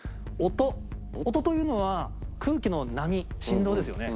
音というのは空気の波振動ですよね。